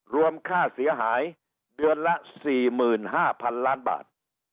รวมค่าเสียหายเดือนละ๔๕๐๐๐ล้านบาท